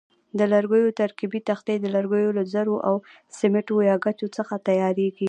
د لرګیو ترکیبي تختې د لرګیو له ذرو او سیمټو یا ګچو څخه تیاریږي.